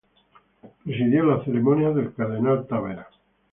Presidió las ceremonias el cardenal Tabera.